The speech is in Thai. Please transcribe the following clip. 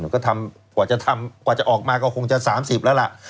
ก็ทำกว่าจะทำกว่าจะออกมาก็คงจะ๓๐แล้วล่ะ